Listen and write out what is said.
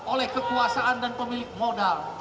oleh kekuasaan dan pemilik modal